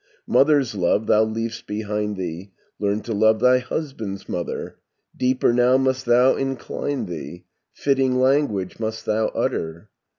Mother's love thou leav'st behind thee; Learn to love thy husband's mother. Deeper now must thou incline thee; Fitting language must thou utter.